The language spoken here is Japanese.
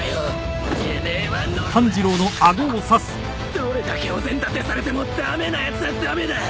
どれだけお膳立てされても駄目なやつは駄目だ。